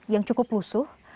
yang cukup lusuh